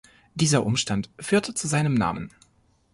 Dieser Umstand führte zu seinem Namen.